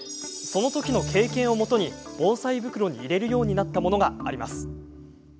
そのときの経験をもとに防災袋に入れるようになったものがあります。